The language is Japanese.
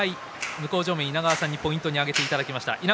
向正面の稲川さんにポイントを挙げていただきます。